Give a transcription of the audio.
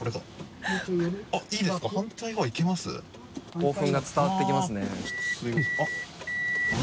興奮が伝わってきますね。